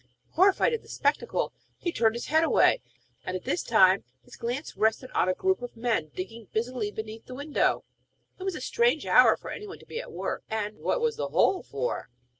Horrified at the spectacle, he turned his head away, and this time his glance rested on a group of men, digging busily beneath the window. It was a strange hour for any one to be at work, and what was the hole for?